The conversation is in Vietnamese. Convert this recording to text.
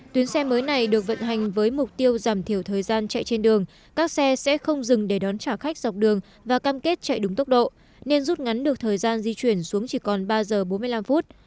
tuyến xe mới này được vận hành với mục tiêu giảm thiểu thời gian chạy trên đường các xe sẽ không dừng để đón trả khách dọc đường và cam kết chạy đúng tốc độ nên rút ngắn được thời gian di chuyển xuống chỉ còn ba giờ bốn mươi năm phút